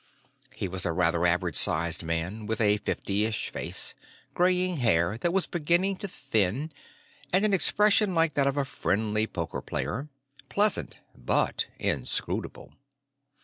He was a rather average sized man, with a fiftyish face, graying hair that was beginning to thin, and an expression like that of a friendly poker player pleasant, but inscrutable.